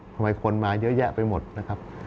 ทำไมคนมาเยอะแยะไปหมดนะครับ